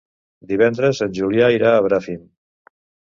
Divendres en Julià irà a Bràfim.